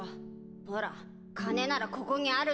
ほら金ならここにあるんだ！